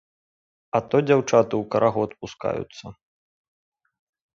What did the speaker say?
А то дзяўчаты ў карагод пускаюцца.